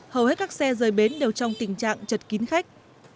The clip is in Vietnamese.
hầu hết các xe rời bến đều trong tình trạng chật kín khách